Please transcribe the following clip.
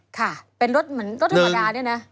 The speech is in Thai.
ค่ะเป็นรถเหมือนรถธรรมดาเนี่ยนะ